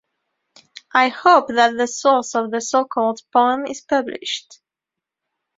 I hope that the source of the so-called poem is published.